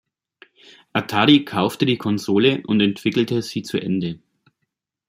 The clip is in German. Atari kaufte die Konsole und entwickelte sie zu Ende.